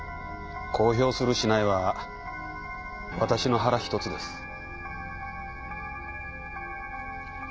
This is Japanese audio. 公表するしないは私の腹一つです。